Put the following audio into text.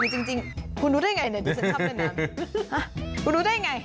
ใช่คุณรู้ได้ไงคุณรู้ได้ไง